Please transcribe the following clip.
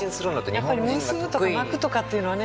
やっぱり結ぶとか巻くとかっていうのはね